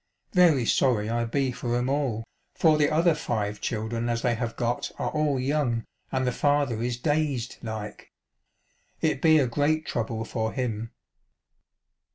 Very sorry I be for 'em all ; for the other five children as they have got are all young, and the father is dazed like. It be a great trouble for him."